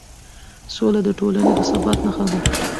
سوله د ټولنې د ثبات نښه ده